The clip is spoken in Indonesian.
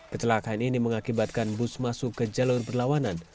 kecelakaan ini mengakibatkan bus masuk ke jalur perlawanan